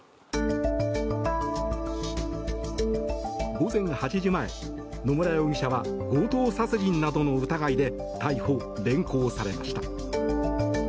午前８時前、野村容疑者は強盗殺人などの疑いで逮捕、連行されました。